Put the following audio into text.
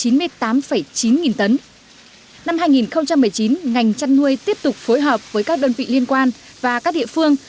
năm hai nghìn một mươi chín ngành chăn nuôi tiếp tục phối hợp với các đơn vị liên quan và các địa phương